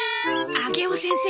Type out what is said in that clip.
上尾先生